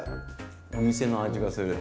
お店の味がする。